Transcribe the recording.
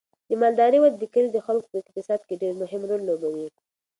د مالدارۍ وده د کلي د خلکو په اقتصاد کې ډیر مهم رول لوبوي.